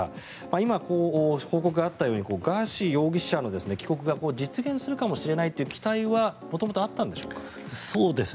今、報告があったようにガーシー容疑者の帰国が実現するかもしれないという期待は元々あったんでしょうか。